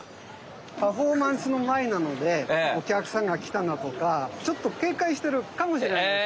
パフォーマンスの前なので「おきゃくさんがきたな」とかちょっとけいかいしてるかもしれないです。